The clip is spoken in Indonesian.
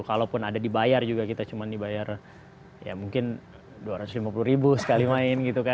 kalaupun ada dibayar juga kita cuma dibayar ya mungkin dua ratus lima puluh ribu sekali main gitu kan